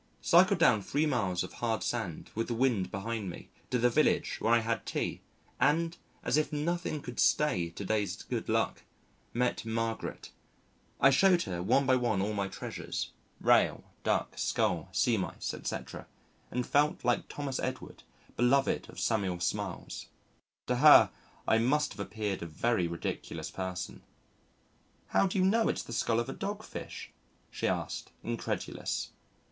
Cycled down three miles of hard sand with the wind behind me to the village where I had tea and as if nothing could stay to day's good luck met Margaret . I showed her one by one all my treasures Rail, Duck, Skull, Sea Mice, etc., and felt like Thomas Edward, beloved of Samuel Smiles. To her I must have appeared a very ridiculous person. "How do you know it's the skull of a dog fish?" she asked, incredulous.